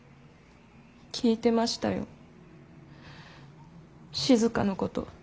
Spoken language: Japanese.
聞いてましたよ静のこと。